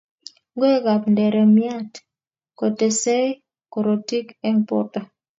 Ngwekab nderemiat kotesei korotik eng borto